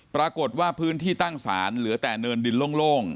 ปรากฏว่าพื้นที่ตั้งศาลเหลือแต่เนินดินโล่ง